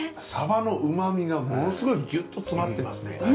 さばの旨みがものすごいぎゅっと詰まってますね。